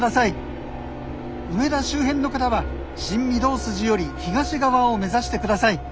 梅田周辺の方は新御堂筋より東側を目指してください。